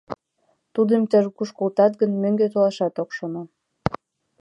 Тудым иктаж-куш колтат гын, мӧҥгӧ толашат ок шоно.